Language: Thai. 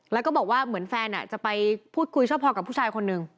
แล้วก็บอกว่าเหมือนแฟนจะไปพูดคุยชอบพอกับผู้ชายคนหนึ่ง